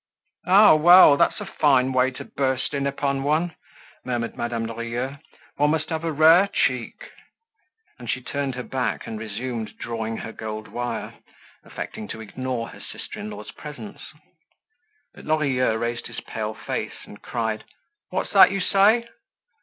"Ah, well, that's a fine way to burst in upon one!" murmured Madame Lorilleux. "One must have a rare cheek." And she turned her back and resumed drawing her gold wire, affecting to ignore her sister in law's presence. But Lorilleux raised his pale face and cried: "What's that you say?"